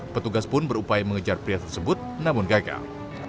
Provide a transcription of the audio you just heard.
petugas pun berupaya mengejar pria tersebut namun gagal